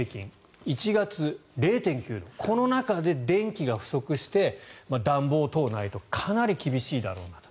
１月０．９度この中で電気が不足して暖房等ないとかなり厳しいだろうなと。